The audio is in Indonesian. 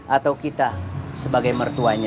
atau kita sebagai mertuanya